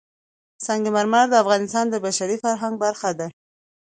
سنگ مرمر د افغانستان د بشري فرهنګ برخه ده.